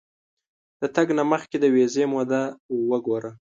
د تګ نه مخکې د ویزې موده وګوره.